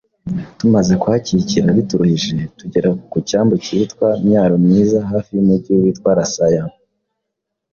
Tumaze kuhakikira bituruhije, tugera ku cyambu cyitwa Myaro-myiza hafi y’umugi wa Lasaya.”